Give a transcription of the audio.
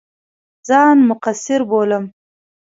ځان مقصِر بولم.